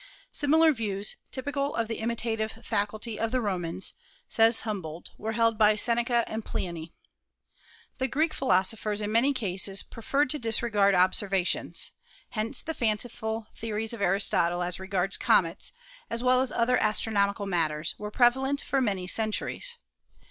Similar views, typical of the imitative faculty of the Romans, says Humboldt, were held by Seneca and Pliny. The Greek philosophers in many cases preferred to disregard observations. Hence the fanciful 227 228 ASTRONOMY theories of Aristotle as. regards comets, as well as other astronomical matters, were prevalent for many centuries.